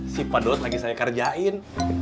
si pak dot lagi saya kerjain